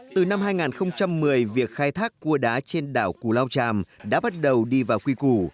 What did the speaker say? từ năm hai nghìn một mươi việc khai thác cua đá trên đảo cù lao tràm đã bắt đầu đi vào quy củ